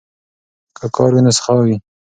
که کار وي نو سخا وي.